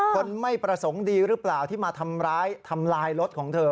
คนไม่ประสงค์ดีหรือเปล่าที่มาทำร้ายทำลายรถของเธอ